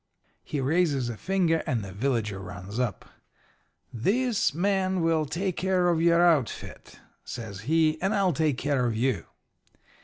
"He raises a finger, and a villager runs up. "'This man will take care of your outfit,' says he, 'and I'll take care of you.'